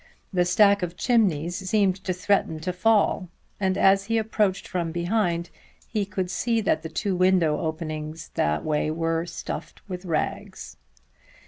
The stack of chimneys seemed to threaten to fall, and as he approached from behind he could see that the two windows opening that way were stuffed with rags.